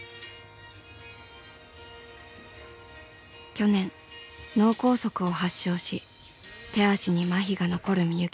去年脳梗塞を発症し手足にまひが残るみゆきさん。